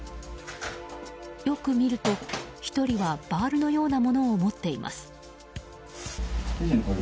よく見ると１人はバールのようなものを持っています。